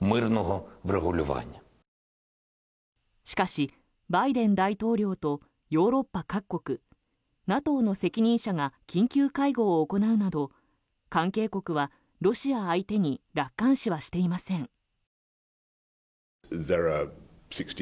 しかし、バイデン大統領とヨーロッパ各国ＮＡＴＯの責任者が緊急会合を行うなど関係国はロシア相手に楽観視はしていません。